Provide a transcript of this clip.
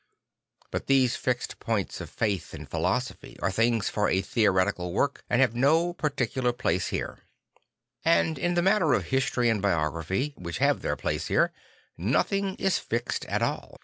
But these fixed points of faith and philosophy are things for a theoretical work and have no particular place here. And in the matter Miracles and Death 161 of history and biography, which have their place here, nothing is fixed at all.